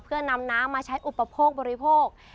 เพื่อนำน้ำมาใช้อุปโภคบริโภค